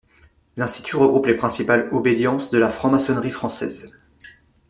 L'Institut regroupe les principales obédiences de la franc-maçonnerie française.